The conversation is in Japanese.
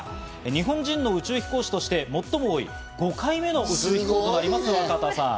日本人の宇宙飛行士として最も多い５回目の宇宙飛行となる若田さん。